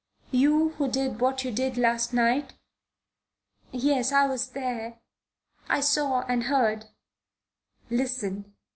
You who did what you did last night? Yes, I was there. I saw and heard. Listen!"